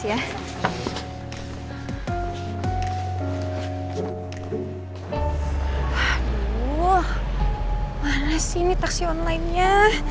aduh mana sih ini taksi online nya